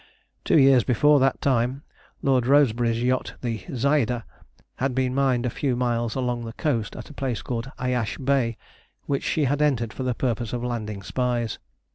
Two years before that time, Lord Rosebery's yacht, the Zaida, had been mined a few miles along the coast at a place called Ayasch Bay, which she had entered for the purpose of landing spies.